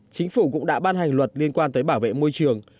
chính phủ cũng đã ban hành luật liên quan tới bảo vệ môi trường